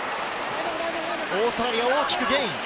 オーストラリア、大きくゲイン。